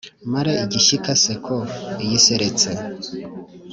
Mare igishyika nseko iyi iseretse.